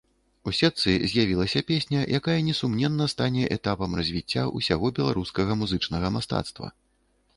У сетцы з'явілася песня, якая несумненна стане этапам развіцця ўсяго беларускага музычнага мастацтва.